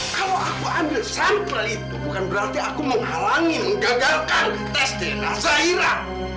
kalau aku ambil sampel itu bukan berarti aku menghalangi menggagalkan tas dena zahira